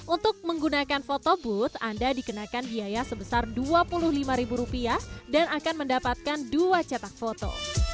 untuk menggunakan foto booth anda dikenakan biaya sebesar dua puluh lima ribu rupiah dan akan mendapatkan dua cetak foto